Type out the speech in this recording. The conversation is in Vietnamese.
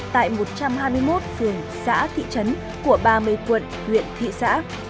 tại một trăm hai mươi một phường xã thị trấn của ba mươi quận huyện thị xã